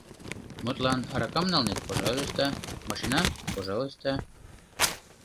Мутлан, аракам налнет — пожалуйста, машинам — пожалуйста.